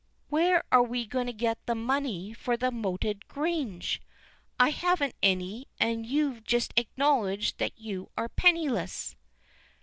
"Where are we to get the money for the moated grange? I haven't any, and you've just acknowledged that you are penniless."